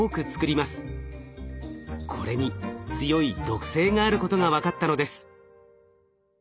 これに強い毒性があることが分かったのです。